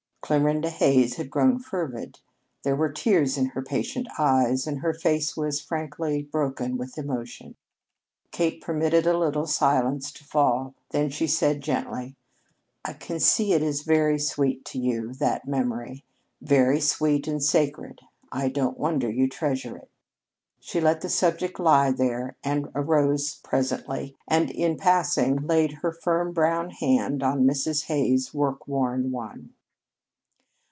Clarinda Hays had grown fervid. There were tears in her patient eyes, and her face was frankly broken with emotion. Kate permitted a little silence to fall. Then she said gently: "I can see it is very sweet to you that memory very sweet and sacred. I don't wonder you treasure it." She let the subject lie there and arose presently and, in passing, laid her firm brown hand on Mrs. Hays's work worn one.